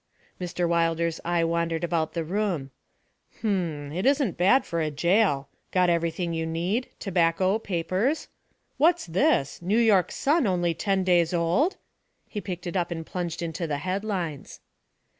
Mr. Wilder's eye wandered about the room. 'H'm, it isn't bad for a jail! Got everything you need tobacco, papers?' What's this, New York Sun only ten days old?' He picked it up and plunged into the headlines.